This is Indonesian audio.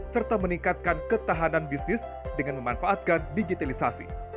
serta meningkatkan ketahanan bisnis dengan memanfaatkan digitalisasi